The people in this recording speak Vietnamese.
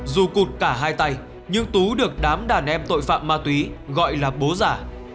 dù cụt cả hai tay nhưng tú được đám đàn em tội phạm ma túy gọi là bố giả